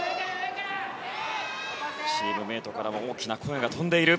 チームメートからも大きな声が飛んでいる。